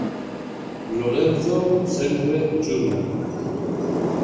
Lorenzo Semple Jr.